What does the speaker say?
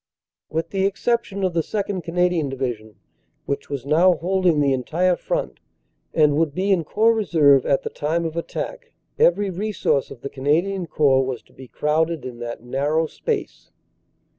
"With the exception of the 2nd. Canadian Division, which 204 CANADA S HUNDRED DAYS was now holding the entire front and would be in Corps Re serve at the time of attack, every resource of the Canadian Corps was to be crowded in that narrow space.